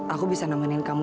aku juga gak tahu